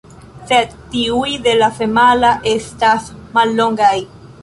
Sed tiuj de la femala estas mallongaj.